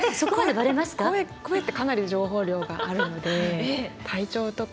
声ってかなり情報量があるので体調とか。